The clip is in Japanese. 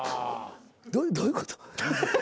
どういうこと？